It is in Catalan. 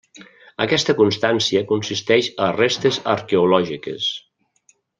Aquesta constància consisteix a restes arqueològiques.